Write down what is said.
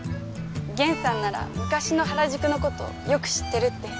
ゲンさんなら昔の原宿のことよく知ってるって。